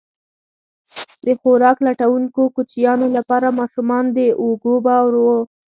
د خوراک لټونکو کوچیانو لپاره ماشومان د اوږو بار وو.